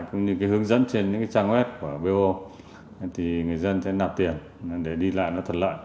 cũng như cái hướng dẫn trên những cái trang web của b o thì người dân sẽ nạp tiền để đi lại nó thật lợi